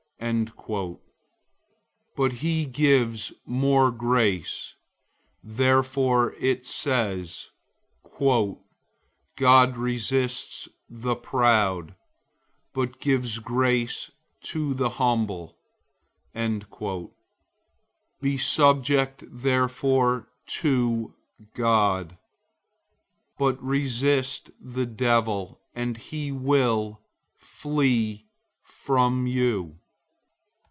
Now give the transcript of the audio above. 004:006 But he gives more grace. Therefore it says, "God resists the proud, but gives grace to the humble."{Proverbs 3:34} 004:007 Be subject therefore to God. But resist the devil, and he will flee from you.